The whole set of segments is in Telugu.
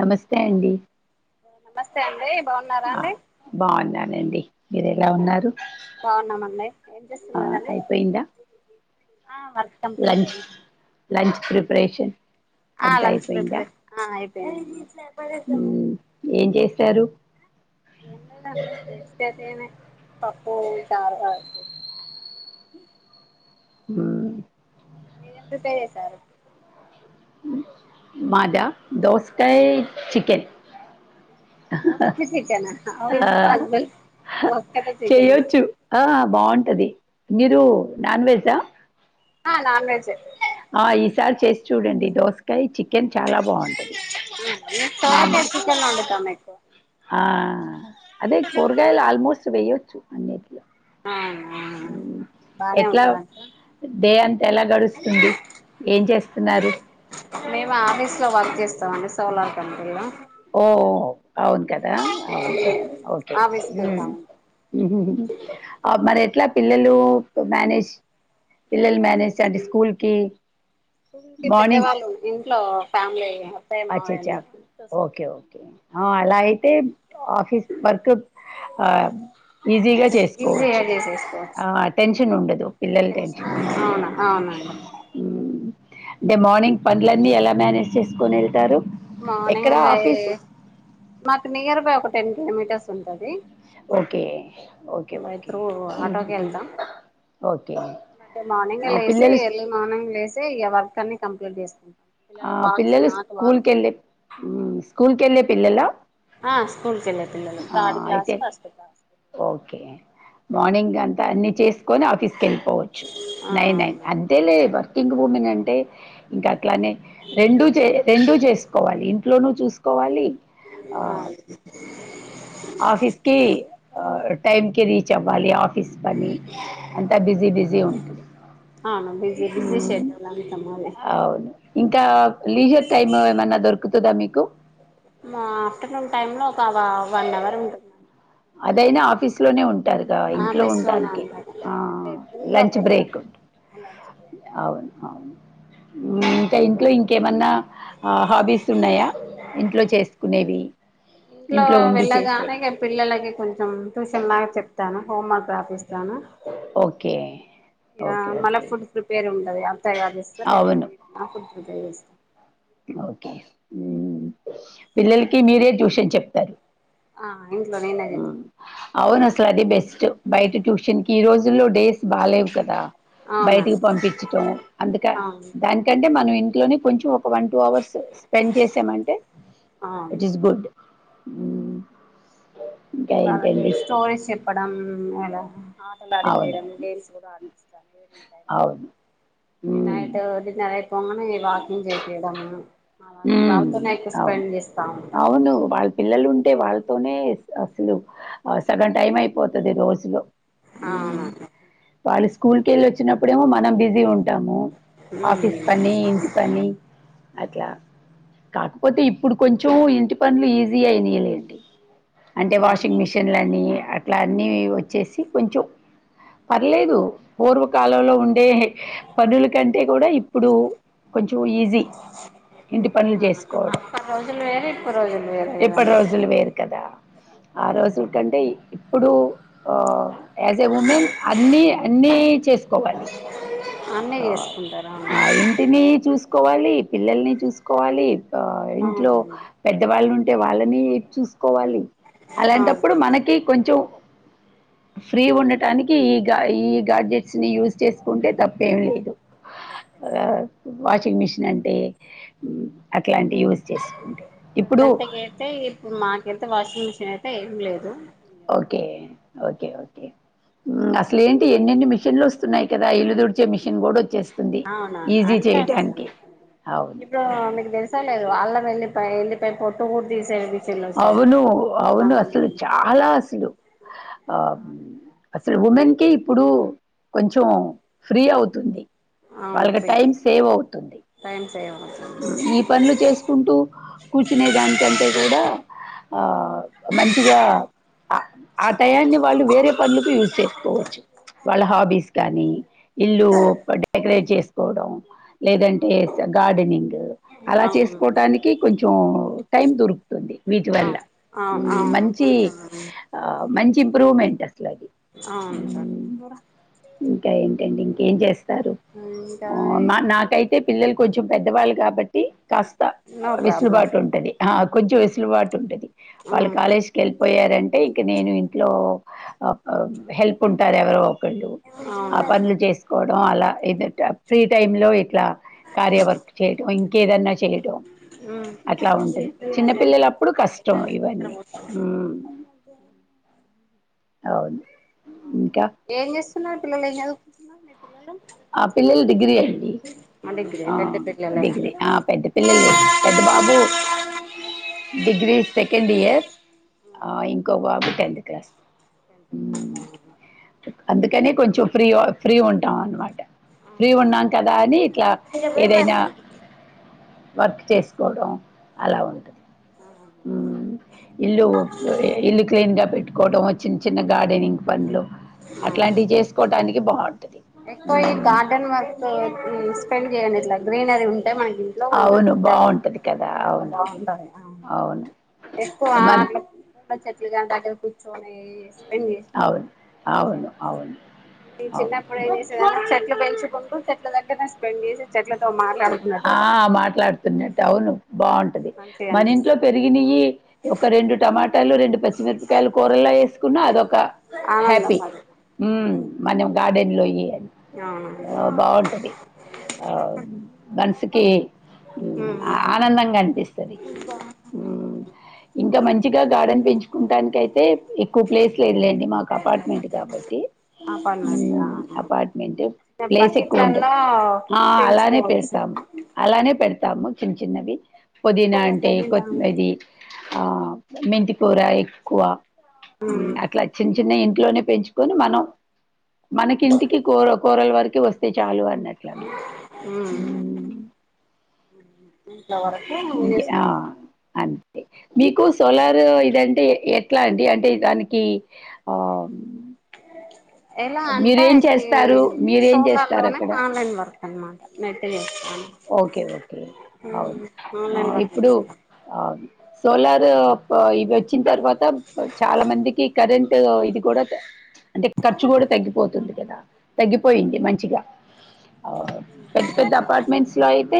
నమస్తే అండి. నమస్తే అండి బాగున్నారా ఆ అండి బాగున్నానండి. మీరు ఎలా ఉన్నారు? బావున్నామండి. ఏం ఆ చేస్తున్నరండి అయిపోయిందా ఆ వర్క్ కంప్లీట్ లంచ్ అయిందండి. లంచ్ ప్రిపరేషన్ ఆ అంతా లంచ్ అయిపోయిందా ప్రిపేర్ ఆయి [unintelligible] పడెద్దామా సారు ఎన్న అండి పప్పు చారు [inaudible] [unintelligible] ఏం ప్రిపేర్ చేసారు? మాదా దోసకాయ చికెన్ ఆ చేయొచ్చు ఆ బాగుంటది [unintelligible] మీరు నాన్ వెజ్ ఆ నాన్ వజ్ ఆ ఈసారి చేసి చూడండి దోసకాయ చిక్ మామూలు తోరకువేసి చికెన్ వండుతాము మె [inaudible] ఆ అదే కోరగాయలు ఆల్మోస్ట్ వెయ్య అన్నిట్లో అవునా ఊ బానే ఎట్లా ఉంటదంట డేయాంత ఎలా గడుస్తుంది ఏం చేస్తున్నారు. మేము ఆఫీస్ లో వర్క్ చేస్తామండి. సోలార్ కంపెనీ లో. ఓ అవును కదా అవును అవును ఓకే ఆఫీస్ ఊ కెళ్తాము ఉహుహు మరి అట్లా పిల్లలు మేనేజ్ పిల్లలు మేనేజ్ చంటి స్కూల్ కి స్కూకి పెద్దవాళ్ళు ఇంట్లో ఫ్యామిలీ ల అ అచ్చ చ్చ ఓకే ఓకే అలా అంటే ఆఫిస్ వర్క్ ఆ ఈజీగా ఈజీగా చేసుకోవచ్చు, ఆ చేసేసుకోవచ్చు టెన్షన్ ఉండదు. పిల్లల టెన్షన్ అయ్యో అవునండి అంటే మార్నింగ్ పండ్లన్న ఎలా మేనేజ్ చేసుకొని వెళ్ సారు మార్నింగ్ వె మాకు నియరు పో ఒక టెన్ కిలోమీటర్స్ ఉంటుది. ఓకేఓకేఓకేఓకే ఆటోకి వెళ్తాం అంటే పిలల్లు ఇక వర్క్ అన్ని కంప్లీట్ చేస్తంది. ఆ పిల్లలు స్కూల్కి వెళ్ళి స్కూల్ కు వెళ్ళ పిల్లల ఆ స్కూల్కి వెళ్ళ థర్డ్ క్లాస్ అయితే ఫస్ట్ క్లాస్ ఓకే మార్నింగ్ అంతా అన్ని చేసుకొని ఆఫీస్ వెళ్ళిపోవచ్చు ఆ నై నై అవును అంతే లేదువ కింగ్ భూమెన్ అంటే ఇంకా అట్లానే రెండు చే రెండు చేసుకోవాలి ఇంట్లోనూ చూసి తీసుకోవాలి ఆ అవును ఆఫస్కి టైమ్కి రీచ్ అవ్వాలి ఆఫీస్ తీసు పని అంతా బిజీ బిజీ ఉంటుంది అవును బిజీ ఊ బిజీ షెడ్యూల్ అంతా మాది అవును ఇంకా లీజర్ టైమ్ ఏ మన్నా దొరుకు వస్తుందా మీకు మా ఆఫ్టర్నూన్ టైమ్ లో ఒక వన్ అవర్ ఉంటుంది అదైనా ఆఫీస్ లోనే ఉంట ఉంటారుగా ఇంట్లో ఆఫీస్ లోనే ఉండానికి ఉంటాను ఆ ఇంట్లోకి లంచ్ వెళ్ళడం బ్రేక్ అవును అవును ఇంకా ఇంట్లో ఇంకేమన్నా హాబీస్ ఉన్నాయా ఇంట్లో చేసుకునేవి ఇంట్లో ఉండి చేసేవి వెళ్ళగానేక పిల్లలు ఇలాగే కొంచెం ట్యూషన్ లాగా చెప్తాను హోమ్మర్క్ ఆఫీస్ ఓకే ఆ ఓకే మళ్ళ ఓకే ఫుడ్ ప్రిపేర్ ఉండదు ఎంత తయారు చేస్తారు లేపో అవును ర ఫడ్ అద చేస్తాం ఓకే ఉ పిల్లలకి మీరే ట్యూషన్ చెప్తారు ఆ ఇంట్లో నేనే ఉ అవును చేసుకుంటాను అసలు అది బెస్ట్ బయట ట్యూషన్ కి ఈ రోజు ఫుల్ లో డేస్ బాలేవు కదా [unintelligible] బయటికి అవునండి పంపించటం అందుక అవును దానికంటే మనం ఇ లోని కొంచు వన్ టూ అవర్స్ స్పెండ్ చేసామంటే ఇట్ అవును ఇస్ గుడ్ ఇంకా వాళ్ళకి ఏంటండి స్టోరీస్ చెప్పడం అలా ఆటలు అవును ఆడిపీయడం గేమ్స్ కూడా ఆపిస్తా టై అవును లో ఉమ్ నైట్ డిన్నర్యి పొంగనే వాకింగ్ చేపియడం ఉమ్ బావాతోనే ఎక్కువ అవును స్పెండ్ చేస్తా ఉంటాను అవును వాళ్ళ పిల్లలు ఉంటే వాళ్ళతోనే అసలు సగం టైం అయిపోతది రోజులో అవునవును స్కూ కెళ్ళి వచ్చినప్పుడేమో మన బిజీ ఉం టము ఉమ్ ఆఫీస్ పన్ని ఇంటి పన్ని అట్లా కాకపోతే ఇప్పుడు కొంచెం ఇంటి పనులు ఈజీ అయినయిలేండి అంటే అంతే అంతే వాషింగ్ మిషిన్లన్నీ అట్లా అన్నీ వచ్చేసి కొంచెం పర్లేదు పూర్వకాలంలో ఉం టే పనుల కంటే కూడా ఇప్పుడు కొంచెం ఈజీ ఇంటి పనులు ఆ చేసుకోవడం అప్పటి రోజులు వేరే ఇప్పుడు రోజులు వేరే ఎప్పటి కదండి రోజులు వేరు కదా ఆ రోజు కంటే ఇ ఇప్పుడు ఆ యాజ్ ఎ ఉమెన్ అన్ని అన్ని చేసుకోవాలి అన్నీ చేసుకుంటారు అవును ఆ ఇంటిని చూసు కోవాలి పిల్లల్ని చూసుకోవాలి ఆ ఇంట్లో అవునండి పెద్దవాళ్ళు ఉం ఇగ వాళ్ళని చూస్ కోవాలి అవును అలాంటప్పుడు మనకి కొంచెం ఫ్రీ ఉండటానికి ఈ గా ఈ గాడ్ చే స్ని యూస్ చేస్కుంటే తప్పేమి లేదు తప్పేం ఆ లేదు వాషింగ్ మెషిన్ నంటే ఊ అట్ ఇట్లాంటి యూజ్ చేసుకుంటే ఇప్పుడు ప్రజెంట్కి అయితే ఇప్పుడు మాకైతే మిషిన్ అయితే ఏం లేదు ఓకే ఓకే ఓకే ఊ అసలే ఏంటి ఎన్ని ఎన్ని మిషన్లు వస్తున్నాయి కదా ఇల్లు దుడిచే మిషిన్ కూడా వచ్చేస్ అవునవును అన్నస్తున్నాయ్ అవును ఇప్పుడు అవును మీకు తెలుసలేదు అళ్ళం ఎళ్ళిపాయ్ ఎళ్ళి య్ పొట్టు కు తీసేది అవును అవును అసలు చాలా అసలు ఆ అసలు ఉమెన్ కి ఇప్పుడు కొంచెం ఫ్రీ అవుతుంది వాళ్ళకి టైం సేవ్ అవుతుంది ఏమో ఈ పనులు చేసుకుంటూ కూర్చునే దానికంటే కూడా ఆ మంచిగా అ ఆ టయాన్ని వాళ్ళు వేరే పనులకు యూస్ చేసుకోవచ్చు వాళ్ళ హాబీస్ కానీ [inaudible] ఇల్లు డెకరేట్ చేస్కోడం లేదంటే గార్డెనింగ్ అలా అవును చేస్కోటానికి కొ చో టైం దూర్ ది విజువల్ గ అవును అవును అవును మంచి కొంచెం అ మంచి ఇంప్రూవ్మెంట్ అవును సార్ ఉమ్ ఇంకా ఏంటంటి ఇం ఏం చేస్తారు ఇంకా మా ఉ నాకైతే పిల్లలు కొంచెం పెద్దవాళ్ కాబట్ ది కాస్త నో ప్రాబ్లం విసులుబాటు ఉంటది ఆ కొంచెం వెస్లూబాటు ఉంటది వాళ్ళు కాలేజీ కెల్లిపోయా టంటే ఇంక నేను అ అ ఇంట్లో హెల్ప్ ఉంటారు ఎవరో కళ్ళు ఆ అవునా పన్లు చేస్కో తొ అల ఇది ఫ్రీ టైమ్లో ఇట్లా కార్యవర్క్ చేయటం ఇంకేదన్నా చేయటం అట్లా ఉంటది చిన్నపిల్లలప్పుడు కష్టం ఇవన్నీ ఉమ్ ఔను ఇంకా చి న్నా పిల్లలెం జదు అ పిల్లల్ డిగ్రీ అ మా డిగ్రీ ఆ పెద్ద పిల్లలే డిగ్రీ ఆ పెద్ద పిల్లలె పెద్ద బాబు డిగ్రీ సెకండ్ ఇయర్ ఆ ఇంకొ బాబు టెన్త్ క్లాస్ అందుకనే కొంచెం ఫ్రీఓ ఫ్రీ ఉంటాం అన్మట్ ఫ్రీ ఉన్నాం కదా అని ఇట్ల ఏదైనా వర్క్ చేస్కోడం అల ఉంటది ఉమ్ ఇల్లూ ఇల్లు క్లీన్గా పెట్కోటం చిన్చిన్న గార్డెనింగ్ పన్లు అట్లాంటివి చేస్కోటానికి కి బావ్ ఎక్వ ఈ గార్డన్ మస్తు ఉమ్ స్పెండ్ చేయ్యండిట్లా గ్రీనరీ ఉం టే మనకి ఇంట్లో కొంచెం అవును పడ్డారు బాగుంటది కదా చాలా అవునవును బావుంటది అవును ఎక్కువా మన అట్ల చెట్లుగా దగ్గర కూర్చోని అవును అవును అవును అవును ప్పుడే చేసా చట్ పెంచుకుంటూ చెట్ల దగ్గర స్పెండ్ చేసి, చెట్లతో మట్ ఆ మాట్లాడుతున్నట్టు, అవును బాగుంట్ మంచిగా మన ఇంట్లో అనిపిస్తది పెరిగినయి, ఒక రెండు టమాటాలు, రెండు పచ్చిమిరపకాయలు కూరలు అదొక ఆనందం హ్యాపీ, అది ఉమ్ మనం గార్డెన్ లోయ్యి అవునండి ఆ బాగుంటది, ఆ మనసుకి, ఆనందంగా అనిపిత్ ఇంకా మంచిగా గార్డెన్ పెంచుకుంటానికి అయితే, ఎక్ ఎక్కువ ప్లేస్ లేదులేండి. ఒక అపార్ట్మెంట్ కాబట్టి, ఉమ్ అపార్ట్మెంట్ అపార్ట్మెంట్ బకెట్లలో పెంచుకోవచ్చు. ము అలానే పెడతాము. చిన్ చిన్నవి పుదీనా అంటే కొనుక్కొని రాను కొత్తది, ఆ మెంతి కుర ఎక్కువ అట్లా చిన్న చిన్నయ్ ఇంటి లోనే పెంచుకొని, మనం మనకింటికి కూర కూరల వరకి వస్తే చా చాలు అన్నట్ల అనమాట. ఆ ఉ ఇంకా ఆ అంతే, మీకు సోలార్ ఇదంటే ఎట్లా అండి, అంటే దానికి ఆ అ ఎలా అంటే మీరేం ఇది చేస్తారు మీరేం సోలార్ చేస్తారు లోనే అక్కడ ఆన్లైన్ వర్క్ అనమాట. నెట్ చేస్ ఓకే ఓకే, అవును ఆన్లైన్ ఆ వర్క్ ఇప్పుడు చేస్తాను ఆ సోలార్ ఇవి వచ్చిన తర్వాత, చాలా మందికి కరెంట్ ఇది కూడా త అంటే ఖర్చు కూడా తగ్గిపోతుంది కదా, తగ్గిపోయింది మంచిగా. ఆ పెద్ద హు పెద్ద [unintelligible] అపార్ట్మెంట్స్ లో అయితే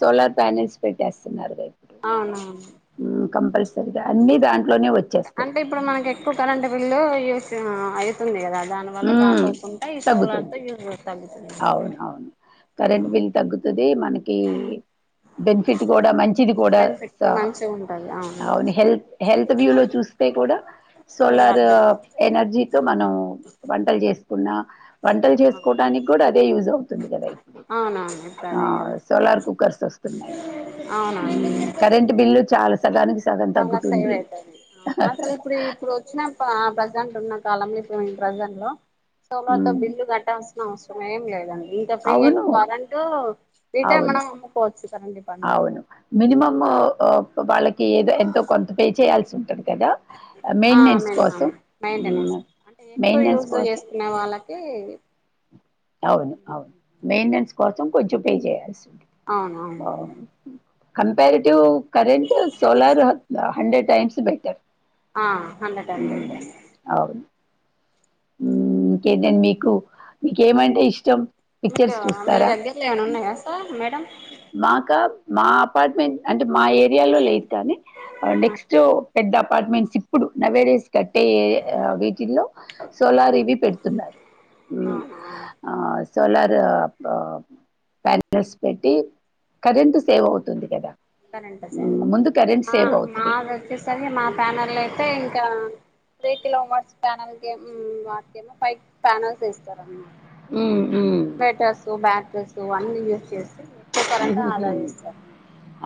సోలార్ ప్యానల్స్ పెట్టేస్తున్నారు గా ఇప్పుడు అవునవును హు కంపల్సరీగా అన్ని దాం అంటే ఇప్పుడు మనకి ఎక్కువ కరెంట్ బిల్లు యూ అయితుంది కదా దాని హ వల్ల కాకోకుండా ఈ సోలార్ తో తగ్గుతుంది యూజ్ తగ్గుతుంది అవున అవును కరెంట్ బిల్ తగ్గుతుంది మనకి బెనిఫిట్ కూడా మంచిది కూడా బెనిఫిట్ మంచిగా ఉంటది అవును హెల్త్ హెల్త్ వ్యూ లో చూస్తే కూడా సోలార్ ఎనర్జీతో మనం వంటలు చే కున్నా వంటలు చేసుకోటడానికి కూడా అదే యూజ్ అవుతుంది తుంది కదా అవునవును ఇప్పుడు ఆ అదే సోలార్ కదా కుక్కర్స్ వస్తున్నాయి అవునవును కరెంట్ బిల్లు చాలా సగానికి సగం చాలా సేవ్ తగ్గుతుంది ఐతంది, అసలు ఇప్పుడు ఇప్పుడు వచ్చిన ఆ ప్రజెంట్ ఉన్న కాలంలో ఇప్పుడు ప్రజెంట్ లో సోలర్తో ఉమ్, బిల్లు కట్టాస్తు అవసరం ఏం లేదండి ఇంకా ఫ్రీ అ అవును కరెంట రిటైర్ మన అవును అమ్మకోవచ్చు అవును మీనిమమ్ వాళ్ళకి ఏదో ఎంతో కొంత పే చేయాల్సి ఉంటది కదా ఆ మెయింటెనెన్స్ మేనమామ కోసం మెయింటెనెన్స్ అంటే ఎక్కువ మెయింటెనెన్స్ యూజ్ కోసం చేస్తున్నా వాళ్ళకి అవును అవును మెయింటెన్స్ కోసం కొంచెం పే చేయాల్సి ఉంటుంది అవును ఆ, అవును comparative current solar hundred times better ఆ హండ్రెడ్ హండ్రెడ్ టైం బెటర్స్ ఇంకేంటడి మీకు మీకేమంటే ఇష్టం పిక్చర్స్ మీకు మీ చూస్తారా దగ్గరలో ఏమనా ఉన్నాయా సార్ మేడం మాకా మా అపార్ట్మెంట్ అంటే మా ఏరియాలో లేదు కాని నెక్స్ట్ పెద్ద అపార్ట్మెంట్స్ ఇప్పుడు నౌ ఏరియాస్ కట్టే వీటిల్లో సోలార్ ఇవి పెడుతున్నారు. ఆ ఆ ఆ సోలార్ ప్యానల్స్ పెట్టి కరెంటు సేవ్ అవుతుంది కదా వస్తారంటా సార్ మ్మ్. ముందు కరెంట్ ఆ సేవ్ అవుతుంది మాది వచ్చేసరికె మా ప్యానర్లు అయితే ఇంకా త్రీ కిలోమర్స్ ప్యానల్కే [unintelligible] వాడ్తానేమో ఫైవ్ ప్యానల్స్ చేస్తారా అన్న ఉమ్ బెటర్స్, ప్యానల్స్ సో అన్నీ యూజ్ చేస్తే ఫోటోలు అంటే ఆధార్ ఉమ్ చేస్తారు.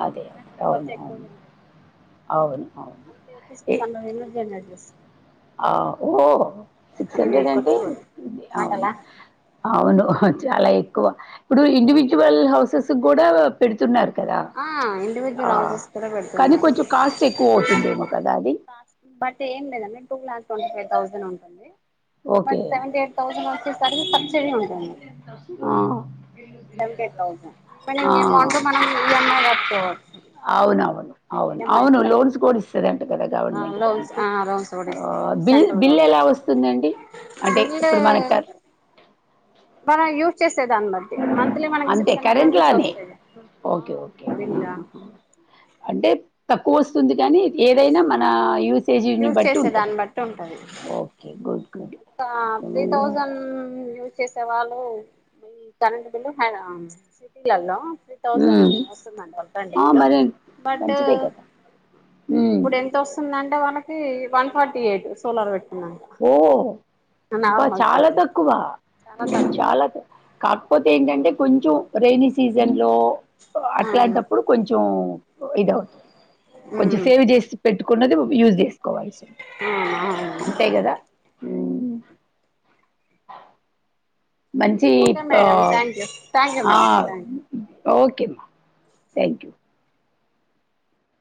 అదే కరెంట్ అవును ఉత్పత్తి ఎక్కువ జనరేట్ అవుతుంది అవును అవును మంత్లీ అయితే ఏ సిక్స్హండ్రెడ్ ఐనా జనరేట్ చేస్తాం ఆ ఓ సిక్స్ ఇది హండ్రెడ్ అంటే కొత్త అవును మాటలా అవును చాలా ఎక్కువ ఇప్పుడు ఇండివిడ్యువల్ హౌసెస్ కూడా పెడుతున్నారు. కదా! ఆ ఆ! ఇండివిడ్యువల్ హౌసెస్ కూడా కానీ పెడుతూన్నారు కొంచెం కాస్ట్ ఎక్కువ కానీ అవుతుందేమో కదా అది? బట్ ఏం లేదండి టూ ట్వంటీఫైవ్ థౌసండ్ ఉంటుంది. Okay. But seven eight thousand వచ్చేసరికి సబ్సిడీ ఉంటుంది. ఆ! మేడం ఆ! అమౌంట్ మనం [unintelligible] అవునవును అవును ఈఎంఐ అవును పద్ధతి లోన్స్ కూడా ఇస్తారట కదా ఆ గవర్నమెంట్ లోన్స్ దానికి ఆ లోన్స్ కూడా ఆ ఇస్తది బిల్ సెంట్రల్ బిల్ ఎలా గవర్నమెంట్ వస్తుందండి. అంటే బిల్లు ఇప్పుడు మనకి మనం యూజ్ చేసే దాన్ని బట్టి మంత్లీ మనకి అంతే సిక్స్ హండ్రెడ్ కరెంట్ డోనార్స్ లానే. వస్తాయి. ఆ ఓకే. ఓకే. బిల్లా ఆహా! అంటే తక్కువ వస్తుంది. కానీ ఏదైనా మన యూస్ రేజ్యుమ్ యూజ్ బట్టి చేసే ఉంటుంది. దాన్ని ఓకే గుడ్ గుడ్ తా త్రీ థౌసంన్ యూజ్ చేసే వాళ్ళు ఈ కరెంట్ బిల్లు [unintelligible] సిటీలలో త్రీతౌసండ్ మ్మ్. వస్తుందండి. ఒక ఆ ప్యాకెజ్ మరి లోబట్ మంచిదే కదా మ్మ్. ఇప్పుడు ఎంత వస్తుందండి. మనకి ఒన్ ఫోర్టీఎయిట్ సోలార్ వెట్ ఓ బా చాలా ఛార్జెస్ తక్కువ చాలా తక్కువ చాలా కాకపోతే ఏంటంటే కొంచం రెయిని సీజన్ లో అవును అట్లాంటప్పుడు కొంచెం ఇదోద్ కొంచం సేవ చేసి పెట్టు ఉండదు ఫ్యూస్ డేస్ ఆ ఆ ఊ ఓకే మంచిది madam thank you thank you ఆ మేడం థ్యాంక్ యూ ఓకేమ థ్యాంక్ యూ